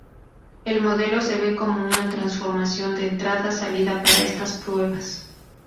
El modelo se ve como una transformación de entrada-salida para estas pruebas.